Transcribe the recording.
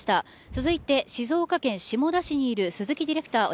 続いて静岡県下田市にいる鈴木ディレクター